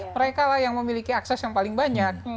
mereka lah yang memiliki akses yang paling banyak